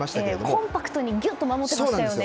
コンパクトにギュッと守っていましたよね。